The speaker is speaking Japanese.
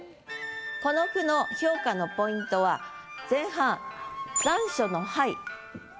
この句の評価のポイントは前半。